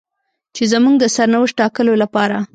چې زموږ د سرنوشت ټاکلو لپاره.